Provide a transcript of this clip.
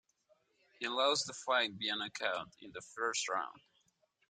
He lost the fight via knockout in the first round.